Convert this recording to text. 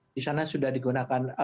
di sana sudah digunakan